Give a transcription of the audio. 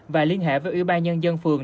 và liên hệ với ủy ban nhân dân phường